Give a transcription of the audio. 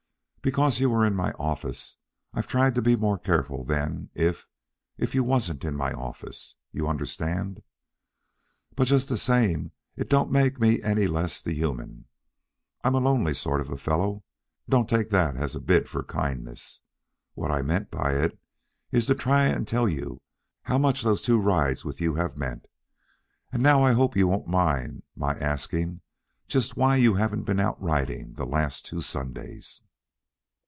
Because you were in my office I've tried to be more careful than if if you wasn't in my office you understand. But just the same, it don't make me any the less human. I'm a lonely sort of a fellow don't take that as a bid for kindness. What I mean by it is to try and tell you just how much those two rides with you have meant. And now I hope you won't mind my just asking why you haven't been out riding the last two Sundays?"